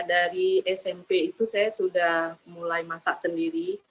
dari smp itu saya sudah mulai masak sendiri